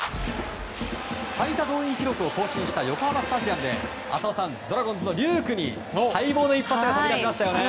最多動員記録を更新した横浜スタジアムで浅尾さん、ドラゴンズの龍空に待望の一発が飛び出しましたね。